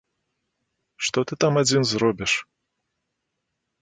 Што ты там адзін зробіш?